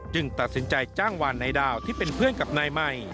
ตัดสินใจจ้างวานนายดาวที่เป็นเพื่อนกับนายใหม่